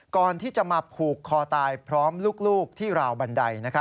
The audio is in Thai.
ก่อนที่จะมาผูกคอตายพร้อมลูกที่ราวบันได